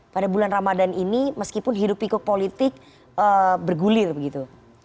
pada bulan ramadan ini meskipun hidup pikuk politik bergulir begitu